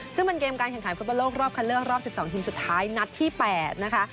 ซึ่งเป็นเกมการแข่งขันฟุตบอลโลกรอบคันเลือกรอบ๑๒ทีมสุดท้ายนัดที่๘นะคะ